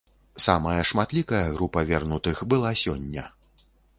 Самая шматлікая група вернутых была сёння.